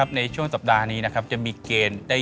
ปิดห้องเค้าขับเค้าไม่ได้